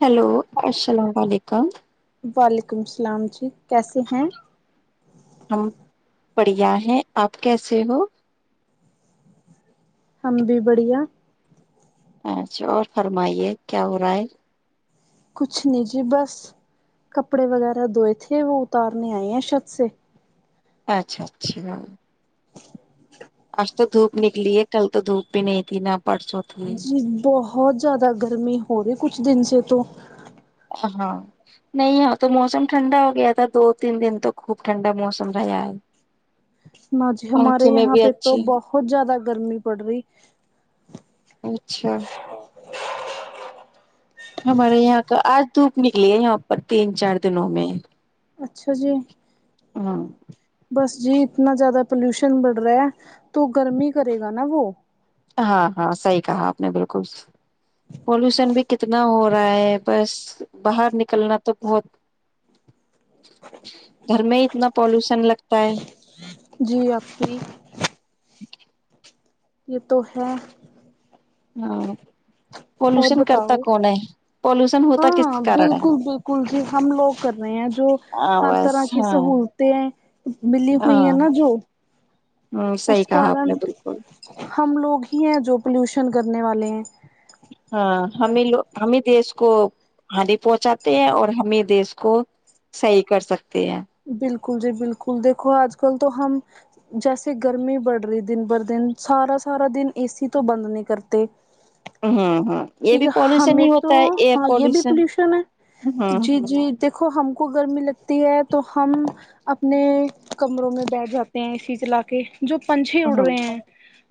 hello اسلام وعلیکم وعلیکم سلام جی کیسے ہیں ہم پڑھیا ہیں آپ کیسے ہو ہم بھی بڑھیا اچھا اور فرمائیے کیا ہو رہا ہے کچھ نی جی بس کپڑے وغیرہ دھوئے تھے وہ اتارنے آئے ہیں چھت سے اچھا اچھا آج تو دھوپ نکلی ہے کل تو دھوپ بھی نہیں تھی نہ پرسو جی بہت زیادہ گرمی ہو رہی ہے کچھ دن سے تو ہاں نہیں یہاں تو موسم ٹھنڈا ہو گیا تھا دو تین دن تک خوب ٹھنڈا موسم رہا یا ن جی ہمارے یہاں بھی پہ تو اچھی بہت زیادہ گرمی پڑ رہی اچھا [inaudible] ہمارے یہاں کا آج دھوپ نکلی ہے یہاں پر تین چار دنوں میں اچھا جی ہاں بس جی اتنا زیادہ پولوشن بڑھ رہا ہے تو گرمی کرے گا نا وہ ہاں ہاں صحیح کہا آپ نے بالکل پولوشن بھی کتنا ہو رہا ہے بس باہر نکلنا تو بہت گھر میں اتنا پالوشن لگتا ہے جی آپ کی یہ تو ہے ہاں اور پولوشن کرتا بتاؤ کون ہے پولوشن ہوتا کس ہاں کارن ہے بالکل بالکل جی ہم لوگ کر رہے ہیں جو ہاں ہر بس طرح کی ہاں سہولتیں ملی ہوئی ہے نا ہاں جو اس صحیح کہا آپ کارن نے بالکل ہم لوگ ہی ہیں جو پولوشن کرنے والے ہیں ہاں ہمیں لو ہمیں دیس کو ہانی پہنچاتے ہیں اور ہمیں دیش کو صحیح کر سکتے ہیں بالکل جی بالکل دیکھو آج کل تو ہم جیسے گرمی بڑھ رہی دن بھر دن سارا سارا دن اے سی تو بند نہیں کرتے ہوں ہوں یہ ٹھیک بھی ہے پالوشن ہی ہمیں تو ہوتا ہے ایئر ہاں یہ بھی پالوشن پولوشن ہے ہوں جی جی دیکھو ہم کو گرمی لگتی ہے تو ہم اپنے کمروں میں بیٹھ جاتے ہیں اسی چلا کے جو پنچھے اڑ ہوں رہے ہیں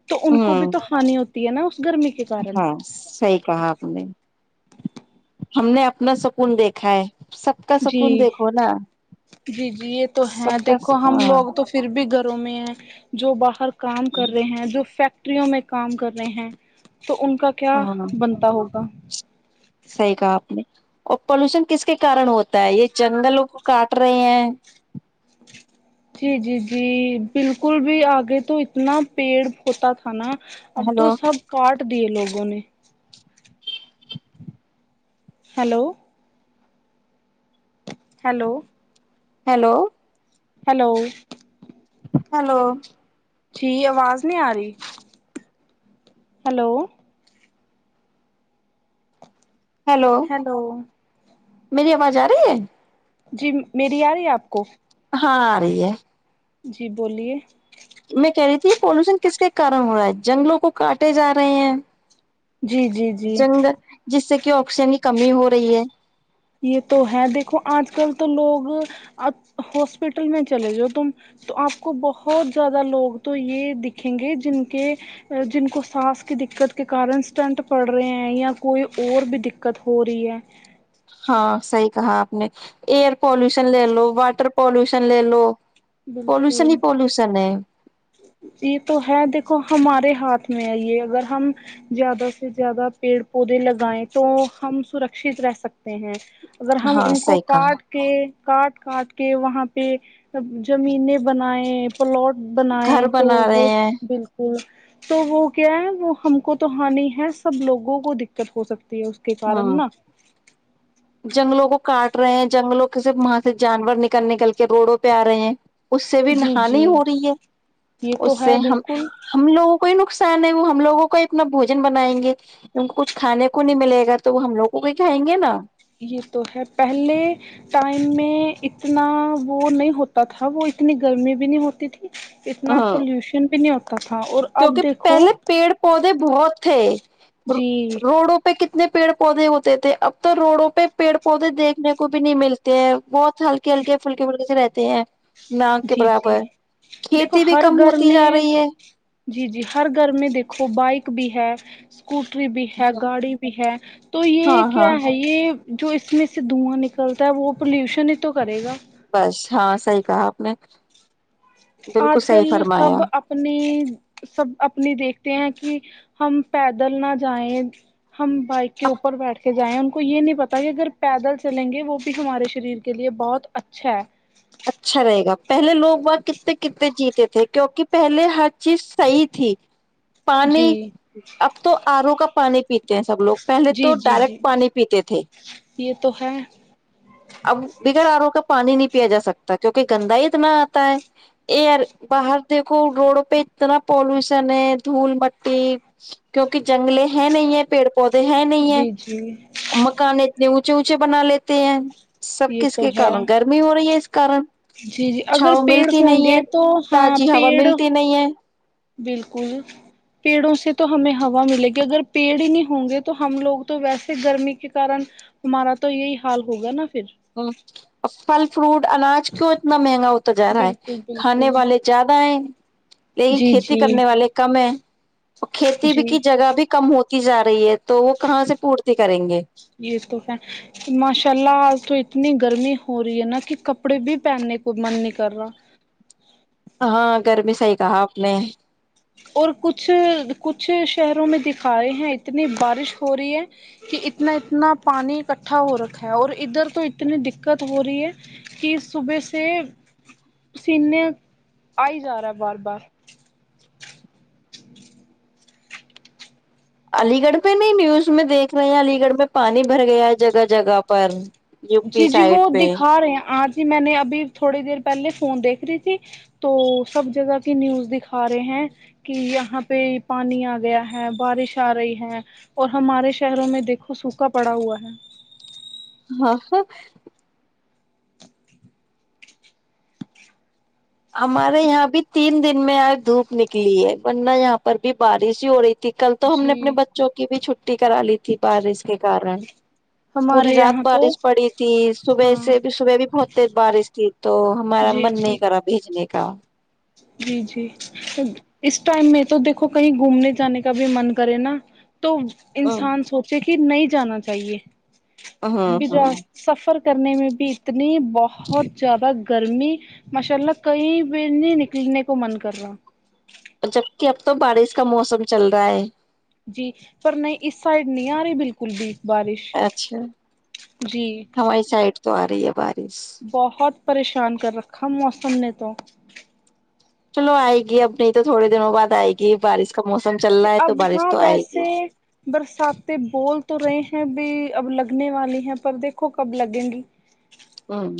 تو ان کو بھی ہوں تو ہانی ہوتی ہے نا اس گرمی کے کارن ہاں صحیح کہا آپ نے ہم نے اپنا سکون دیکھا ہے سب کا جی سکون دیکھو نا جی جی یہ تو ہے سب کا دیکھو ہم ہاں لوگ تو پھر بھی گھروں میں ہے جو باہر کام کر رہے ہیں جو فیکٹ ٹریوں میں کام کر رہے ہیں تو ان کا کیا ہاں بنتا ہوگا صحیح کہا آپ نے اور پولوشن کس کے کارن ہوتا ہے یہ جنگلوں کو کاٹ رہے ہیں جی جی جی بالکل بھی آگے تو اتنا پیڑ ہوتا کھانا اب تو ہیلو سب کاٹ دیے لوگوں نے hello hello hello hello hello جی ٹھیک آواز نہیں آ رہی ہلو ہلو ہیلو میری آواز آ رہی ہے جی میری آ رہی ہے آپ کو ہاں آ رہی ہے جی بولیے میں کہہ رہی تھی یہ پولوشن کس کے کن ہو رہا ہے جنگلوں کو کاٹے جا رہے ہیں جی جی جی جنگ جس سے کہ آکسیجن کی کمی ہو رہی ہے یہ تو ہے دیکھو آج کل تو لوگ ہاسپٹل میں چلے جو تم تو آپ کو بہت زیادہ لوگ تو یہ دکھیں گے جن کے جن کو سانس کی دقت کے کارن اسٹنٹ پڑ رہے ہیں یا کوئی اور بھی دقت ہو رہی ہے ہاں صحیح کہا آپ نے ایئر پالوشن لے لو واٹر پالوشن لے لو پولوشن بالکل ہی پولوشن ہے یہ تو ہیں دیکھو ہمارے ہاتھ میں ہیں یہ اگر ہم زیادہ سے زیادہ پیڑ پودے لگائیں تو ہم سرکشی رہ سکتے ہیں اگر ہم ہاں ان کو صحیح کاٹ کہا کے کاٹ کاٹ کے وہاں پہ زمین بنائے پلاٹ بنائے گھر تو بنا وہ رہے ہیں بالکل تو وہ کیا ہے وہ ہم کو تو ہانی ہے سب لوگوں کو دقت ہو سکتی ہیں ہاں ج چنگلوں کو کاٹ رہے ہیں جنگلوں کی زبان سے جانور نکل نکل کے روڈوں پہ ا رہے ہیں اس سے بھی جی جی نہانی ہو رہی ہیں یہ اس تو سے ہے ہم بالکل ہم لوگوں کو ہی نقصان ہے وہ ہم لوگوں کو اتنا بھوجن بنائیں گے کچھ کھانے کو نہیں ملے گا تو وہ ہم لوگوں کو ہی کھائیں گے نا یہ تو ہے پہلے ٹائم میں اتنا وہ نہیں ہوتا تھا وہ اتنی گرمی بھی نہیں ہوتی تھی اتنا پولوشن بھی نہیں ہوتا تھا اور اب کیونکہ دیکھو پہلے پیڑ پودے بہت تھے جی روڑوں اتنے پیڑ پودے ہوتے تھے اب تو روڑوں پہ پیڑ پودے دیکھنے کو بھی نہیں مل سکتے بہت ہلکے ہلکے پھلکے پلکے سے رہتے ہیں ناک کے جی جی برابر دیکھو کھیتی بھی ہر کم گھر ہوتی میں جا رہی ہے جی جی ہر گھر میں دیکھو بائک بھی ہے اسکوٹری بھی ہے ہاں گاڑی بھی ہے تو یہ ہاں ہاں کیا ہے یہ جو اس میں سے دھواں نکلتا ہے وہ پلیوشن ہی تو کرے گا بس ہاں صحیح کہا اپ نے بالکل صحیح فرمایا میں سب اپنے دیکھتے ہیں کہ ہم پیدل نہ جائیں ہم بائک کے اب اوپر بیٹھ کے جائیں ان کو یہ نہیں پتہ کہ اگر پیدل چلیں گے وہ بھی ہمارے شریر کے لیے بہت اچھا ہیں اچھا رہے گا پہلے لوگ باہر کتنے کتنے جیتے تھے کہ اوکے پہلے چیز صحیح تھی پانی جی اب تو ارو کا پانی پیتے ہیں سب لوگ پہلے جی تو جی جی ڈائریکٹ پانی پیتے تھے یہ تو ہیں اب دیگر ارو کا پانی نہیں پیا جا سکتا کیونکہ گندا ہی تو میں اتا ہے ایئر باہر دیکھو روڑ پہ اتنا پولوشن ہے دھول مٹی کیونکہ جنگلے ہیں نہیں ہیں پیڑ پودے ہیں نہیں ہیں جی جی مکان اتنی اونچے اونچے بنا لیتے ہیں سب یہ کس تو کے ہے کارن گرمی ہو رہی ہے اس کارن جی جی اگر چھاؤ پیڑ ملتی ہوں نہیں گے ہے تو ہاں تازی ہوا پیڑ ملتی نہیں ہے بالکل پیڑوں سے تو ہمیں ہوا ملے گی اگر پیڑ ہی نہیں ہوں گے تو ہم لوگ تو ویسے گرمی کی طرح ہمارا تو یہ ہی حال ہوگا نا پھر پھل فروٹ اناج کیوں اتنا مہنگا ہوتا جا رہا ہے بالکل کھانے بالکل والے زیادہ ہیں لیکن جی کھیتی جی کرنے والے کم ہیں وہ کھیتی بھی جی کی جگہ بھی کم کی جا رہی ہے تو وہ کہاں سے پھوٹتی کریں گے جی اس تو ماشاءاللہ تو اتنی گرمی ہو رہی ہے نا کہ کپڑے بھی پہننے کو من نہیں کر رہا ہاں گھر بھی صحیح کہا اپ نے اور کچھ کچھ شہروں میں دکھائے ہیں اتنی بارش ہو رہی ہیں کہ اتنا اتنا پانی اکٹھا ہو رکھا ہے اور ادھر تو اتنے دقت ہو رہی ہیں کی صبح سے سینے ائی جا رہا ہے بار بار علی گڑھ پہ نہیں نیوز میں دیکھ رہے ہیں علی گڑھ میں پانی بھر گیا جگہ جگہ پر U G P G side وہ پہ دیکھا رہے ہیں آجی میں نے ابھی تھوڑی دیر پہلے فون دیکھ رہی تھی تو سب جگہ کی نیوز دیکھا رہے ہیں کہ یہاں پہ پانی آ گیا ہے بارش آ رہی ہے اور ہمارے شہروں میں دیکھو سوکھا پڑا ہوا ہے ہاں ہمارے یہاں بھی تین دن میں آج دھوپ نکلی ہے ورنہ یہاں پر بھی بارش ہی ہو رہی تھی کل تو ہم جی نے اپنے بچوں کی بھی چھٹی کرا لی تھی بارش کے کارن پوری ہمارے رات یہاں تو بارش پڑی تھی صبح ہاں سے بھی صبح بھی بہت بارش تھی تو ہمارا جی من جی نہیں کرا بھیجنے کا جی جی اس ٹائم میں تو دیکھو کہیں گھومنے جانے کا بھی من کرے نا تو ہوں انسان سوچے کہ نہیں جانا چاہیے ہوں ہوں سفر کرنے میں بھی اتنی بہت زیادہ گرمی ماشاء اللہ کہیں بھی نہیں نکلنے کو من کر رہا جبک اب تو بارش کا موسم چل رہا ہے جی پر نہیں اس سائڈ نہیں آ رہی بالکل بھی بارش اچھا جی ہماری سائڈ تو آ رہی ہے بارش بہت پریشان کر رکھا موسم نے تو چلو آئے گی اب نہیں تو تھوڑے دنوں بعد آئے گی بارش کا موسم چل جی رہا ہے اب تو بارش ہاں تو آئے ویسے گی برساتیں بول تو رہے ہیں بھی اب لگنے والی ہیں پر دیکھو کب لگیں گی ہوں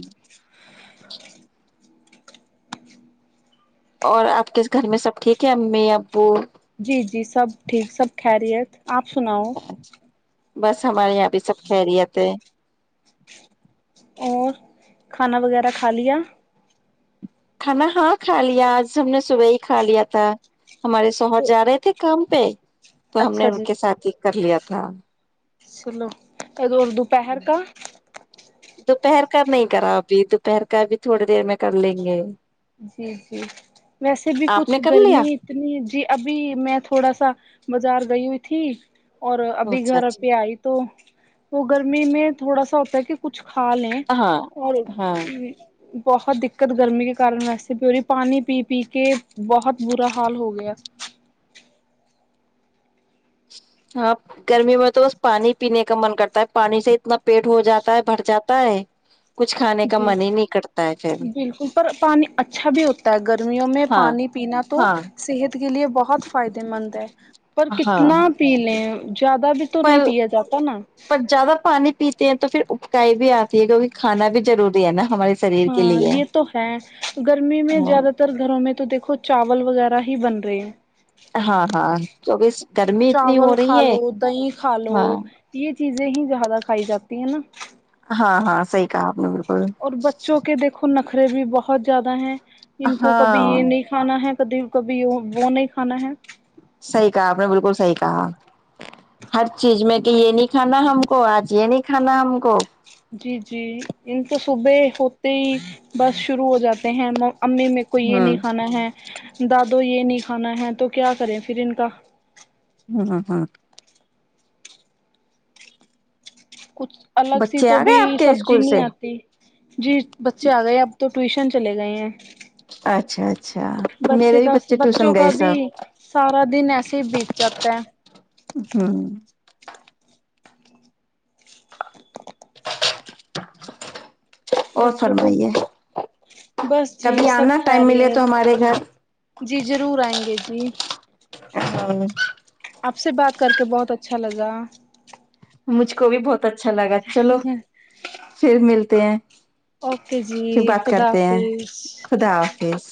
اور آپ کے گھر میں سب ٹھیک ہے امی ابو جی جی سب ٹھیک سب خیریت آپ سناؤ بس ہمارے یہاں بھی سب خیریت ہے اور کھانا وغیرہ کھا لیا کھانا ہاں کھا لیا آج ہم نے صبح ہی کھا لیا تھا ہمارے سو تو جا رہے تھے کام پہ تو ہم نے اچھا ان جی کے ساتھ ہی کر لیا تھا چلو اور دوپہر کا دوپہر کا نہیں کرا ابھی دوپہر کا بھی تھوڑی دیر میں کر لیں گے جی جی ویسے بھی آپ کچھ نے کر لیا گرمی اتنی جی ابھی میں تھوڑا سا بازار گئی ہوئی تھی اور ابھی اچھا گھر پہ اچھا آئی تو وہ گرمی میں تھوڑا سا ہوتا ہے کہ کچھ کھا لیں ہاں اور ہاں بہت دقت گرمی کے کرن ویسے پیی پانی پی پی کے بہت برا حال ہو گیا ہاں گرمی میں تو بس پانی پینے کا من کرتا ہے پانی سے اتنا پیٹ ہو جاتا ہے بھر جاتا ہے اٹھنے کا من نہیں کر تا بلکل پر پانی اچھا بھی ہوتا ہے گرمیوں میں ہاں پانی پینا تو ہاں صحت کے لیے بہت فائدے مند ہے پر ہاں کتنا پی لیں زیادہ بھی تو نہیں پر پیا جاتا نا پر زیادہ پانی پیتے ہیں تو پھر اکائی بھی آتی ہے کیوکہ کھانا بھی ضروری ہے نا ہمارے شریر کے ہاں لیے یہ تو ہے گرمی میں ہاں زیادہ تر گھروں میں تو دیکھو چاول وغیرہ ہی بن رہے ہیں ہاں ہاں کیونکہ گرمی اتنی چاول ہو کھا رہی ہے لو دھی کھا لو ہاں یہ چیزیں ہی زیادہ کھائی جاتی ہیں نا ہاں ہاں صحیح کہاں آپ نے بلکل اور بچوں کے دیکھو نخرے بھی بہت زیادہ ہیں ان کو کبھی یہ ہاں نہیں کھانا ہے کبھی کبھی وہ نہیں کھانا ہے صحیح کہا آپ نے بالکل صحیح کہا ہر چیز میں کہ یہ نہیں کھانا ہم کو آج یہے نہیں کھانا ہم کو جی جی ان کی صبح ہوتے ہی بس شروع ہو جاتے ہیں امی میں کو یہ نہیں ہوں کھانا ہے دادو یہ نہیں کھانا ہے تو کیا کریں پھر ان کا ہاں ہاں کچھ الگ سی بچے تو آ بھی گئے آپ کے سبزی اسکول نہیں سے آتی جی بچے آ گئے اب تو ٹیوشن چلے گئے ہیں اچھا اچھا بچے میرے بھی کا بچوں ٹیوشن کا گئے بھی سب سارا دن ایسے ہی بیت جاتا ہے ہوں اور بچوں کو فرمائیے بس جی کبھی سب آنا ٹائم ملے تو کھیریت ہمارے جی ضرور آئیں گے جی ہاں آپ سے بات کر کے بہت اچھا لگا مجھ کو بھی بہت اچھا لگا چلو پھر ملتے ہیں اوکے پھر جی بات خدا کرتے ہیں حافظ خدا حافظ